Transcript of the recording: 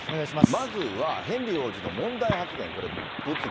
まずは、ヘンリー王子の問題発言、これ、物議。